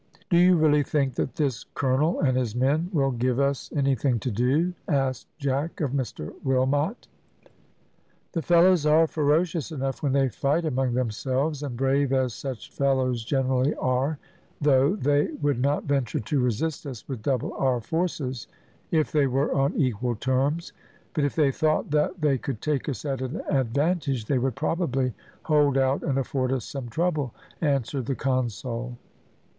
"Do you really think that this colonel and his men will give us anything to do?" asked Jack of Mr Wilmot. "The fellows are ferocious enough when they fight among themselves, and brave as such fellows generally are, though, they would not venture to resist us with double our forces if they were on equal terms, but if they thought that they could take us at an advantage, they would probably hold out and afford us some trouble," answered the consul.